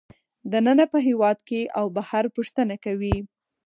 دننه په هېواد کې او بهر پوښتنه کوي